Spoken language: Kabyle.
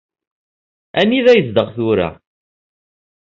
Anida yezdeɣ tura?